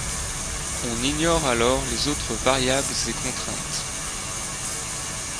On ignore alors les autres variables et contraintes.